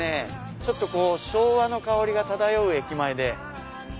ちょっとこう昭和の薫りが漂う駅前で。